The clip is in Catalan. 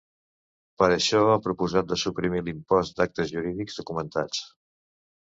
Per això, ha proposat de suprimir l’impost d’actes jurídics documentats.